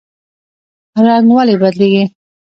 رنګ ولې بدلیږي؟